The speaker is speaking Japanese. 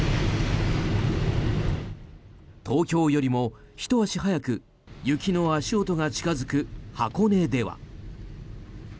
東京よりもひと足早く雪の足音が近付く箱根では。